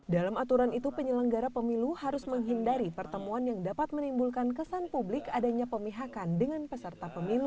dalam aturan itu penyelenggara pemilu harus menghindari pertemuan yang dapat menimbulkan kesan publik adanya pemihakan dengan peserta pemilu